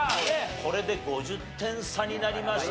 これで５０点差になりました。